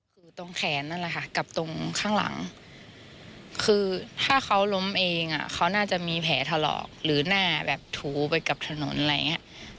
คือตรงแขนนั่นแหละค่ะกับตรงข้างหลังคือถ้าเขาล้มเองเขาน่าจะมีแผลถลอกหรือหน้าแบบถูไปกับถนนอะไรอย่างนี้